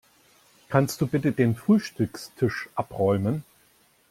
Kannst du bitte den Frühstückstisch abräumen?